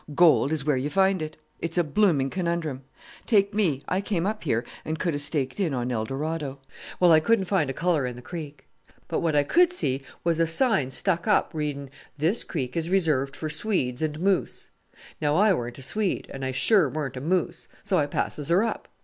Gold is where you find it. It's a blooming conundrum. Take me; I came up here and could have staked in on Eldorado. Well, I couldn't find a colour in the creek; but what I could see was a sign stuck up readin', 'This creek is reserved for Swedes and Moose.' Now, I weren't a Swede, and I sure weren't a Moose! So I passes her up.